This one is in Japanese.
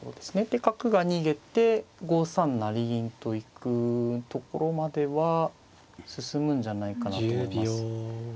で角が逃げて５三成銀と行くところまでは進むんじゃないかなと思います。